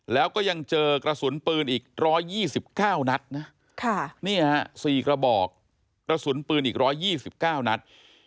แล้วก็ยังเจอกระสุนปืนอีก๑๒๙นัดนะ๔กระบอกกระสุนปืนอีก๑๒๙นัด